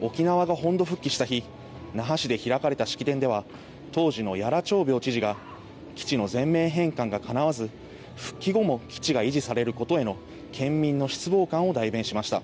沖縄が本土復帰した日、那覇市で開かれた式典では当時の屋良朝苗知事が基地の全面返還がかなわず復帰後も基地が維持されることへの県民の失望感を代弁しました。